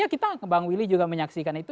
kita bang willy juga menyaksikan itu